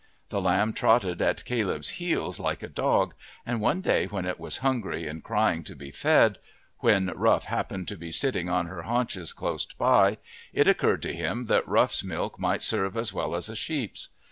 The lamb trotted at Caleb's heels like a dog, and one day when it was hungry and crying to be fed, when Rough happened to be sitting on her haunches close by, it occurred to him that Rough's milk might serve as well as a sheep's.